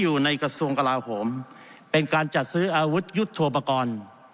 อยู่ในกระทรวงกลาโหมเป็นการจัดซื้ออาวุธยุทธโปรกรณ์